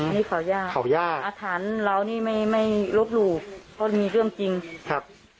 อืมขาวย่าอาถรรพ์เราไม่ลดหลูกเพราะมีเรื่องจริงครับ